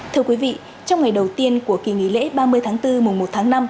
thưa quý vị trong ngày đầu tiên của kỳ nghỉ lễ ba mươi tháng bốn mùa một tháng năm